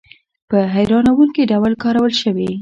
په هیرانوونکې ډول کارول شوي.